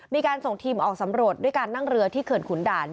มีการส่งทีมออกสำรวจด้วยการนั่งเรือที่เขื่อนขุนด่าน